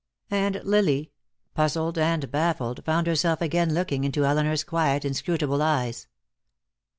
And Lily, puzzled and baffled, found herself again looking into Elinor's quiet, inscrutable eyes.